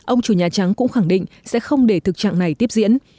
ông chủ nhà trắng cũng khẳng định sẽ không để thực trạng này tiếp diễn